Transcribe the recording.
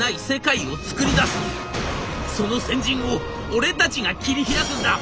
その先陣を俺たちが切り開くんだ！